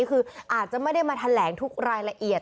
คืออาจจะไม่ได้มาแถลงทุกรายละเอียด